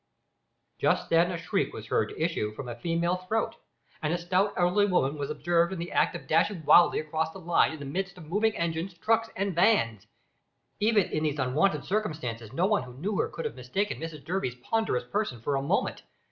Just then a shriek was heard to issue from a female throat, and a stout elderly woman was observed in the act of dashing wildly across the line in the midst of moving engines, trucks and vans. Even in these unwonted circumstances no one who knew her could have mistaken Mrs Durby's ponderous person for a moment.